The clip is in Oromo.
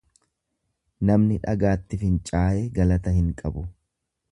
Namni dhagaatti fincaaye galata hin qabu.